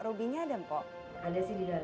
ada sih di dalam baru aja pulang